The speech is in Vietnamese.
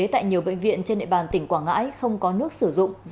tại nhiều bệnh viện trên địa bàn tỉnh quảng ngãi không có nước sử dụng